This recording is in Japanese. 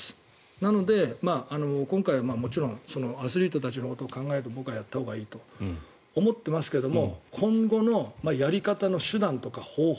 なので、今回もちろんアスリートたちのことを考えると僕はやったほうがいいと思いますが今後のやり方の手段とか方法